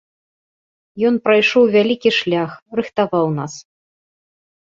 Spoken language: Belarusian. Ён прайшоў вялікі шлях, рыхтаваў нас.